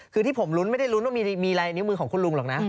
คือที่ผมรุ้นไม่ได้ลุ้นว่ามีลายนิ้วมือของคุณลุงหรอกนะ